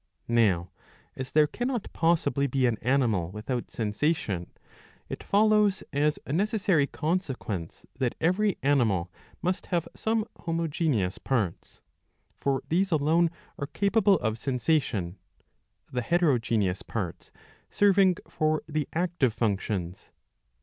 Now as there cannot possibly be an animal without sensation, it follows as a necessary consequence that every animal must have some homogeneous parts ; for these alone are capable of sensation, the heterogeneous parts serving for the active functions.